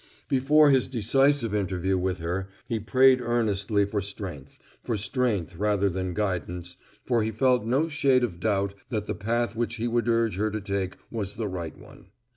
Before his decisive interview with her he prayed earnestly for strength; for strength rather than guidance, for he felt no shade of doubt that the path which he would urge her to take was the right one.